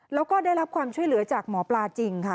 แล้วก็ได้รับความช่วยเหลือจากหมอปลาจริงค่ะ